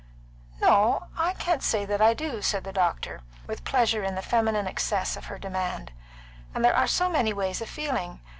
"No, I can't say that I do," said the doctor, with pleasure in the feminine excess of her demand. "And there are so many ways of feeling.